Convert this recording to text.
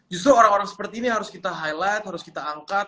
justru orang orang seperti ini harus kita highlight harus kita angkat